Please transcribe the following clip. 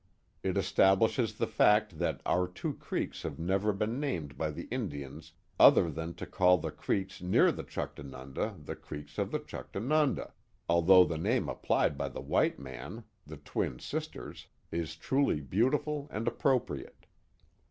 It establishes the fact that our two creeks have never been named by the Indians other than to call the creeks near the Juchtanunda the creeks of the Juchtanunda, although the name apph'ed by the white man, the Twin Sisters, is truly beautiful and appropriate.